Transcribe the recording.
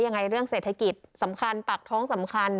ยังไงเรื่องเศรษฐกิจสำคัญปากท้องสำคัญ